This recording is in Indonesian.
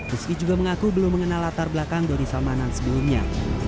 rizky juga mengaku belum mengenal latar belakang doni salmanan sebelumnya